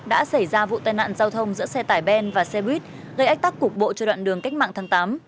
đã xảy ra vụ tai nạn giao thông giữa xe tải ben và xe buýt gây ách tắc cục bộ cho đoạn đường cách mạng tháng tám